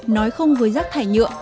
nói không với rác thải nhựa